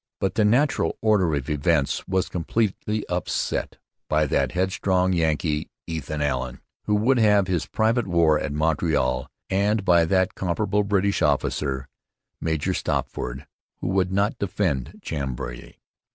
But the natural order of events was completely upset by that headstrong Yankee, Ethan Allen, who would have his private war at Montreal, and by that contemptible British officer, Major Stopford, who would not defend Chambly.